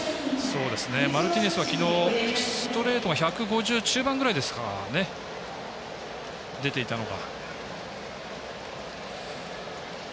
マルティネスは昨日、ストレートが１５０中盤ぐらいですかね出ていたのが。